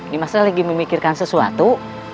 nimas lagi memikirkan sesuatu